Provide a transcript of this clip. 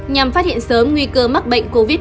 nhằm phát hiện sớm nguy cơ mắc bệnh covid một mươi chín